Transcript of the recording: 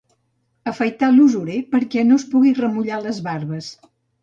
Afaitar l'usurer perquè no es pugui remullar les barbes.